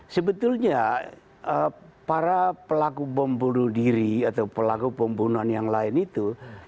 sebetulnya para pelaku bom bunuh diri atau pelaku pembunuhan yang lain itu